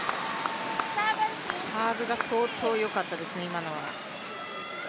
サーブが相当よかったですね、今のは。